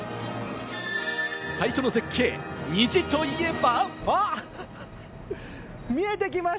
最初の絶景、虹と言えば。